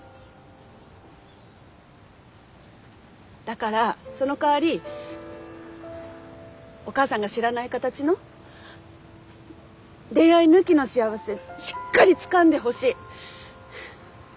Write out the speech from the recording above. だからそのかわりお母さんが知らない形の恋愛抜きの幸せしっかりつかんでほしい！